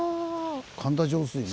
神田上水の。